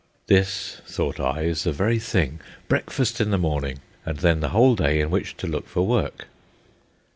This, thought I, is the very thing—breakfast in the morning, and then the whole day in which to look for work.